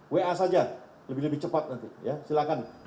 wa saja lebih lebih cepat nanti silakan